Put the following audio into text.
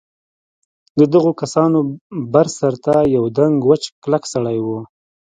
د دغو کسانو بر سر ته یوه دنګ وچ کلک سړي و.